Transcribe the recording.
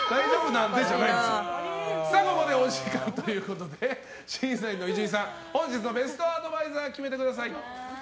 ここでお時間ということで審査員の伊集院さん本日のベストアドバイザーを決めてください。